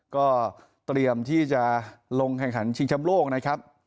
ก็เตรียมที่จะลงแข่งขันชิงชำโลกนะครับ